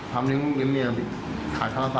ทำนึงมีเมียขาย๓๐๐๐บาท